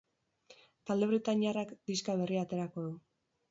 Talde britainiarrak diska berria aterako du.